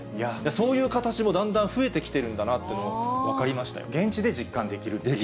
そういう形もだんだん増えてきてるんだなというのが分かりました現地で実感できるということ。